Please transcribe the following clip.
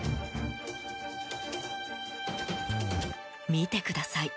見てください。